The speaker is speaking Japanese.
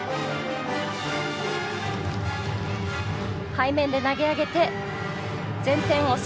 背面で投げ上げて前転を３回。